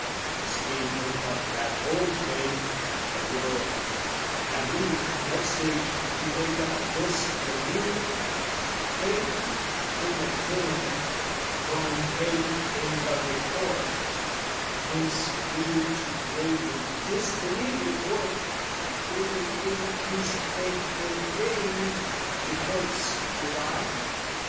As we broke up that old faith of the world, Have we, next age, to break up this the new Faith, in the thing, grown faith in the report Whence need to bravely disbelieve report Through increased faith in thing reports belie?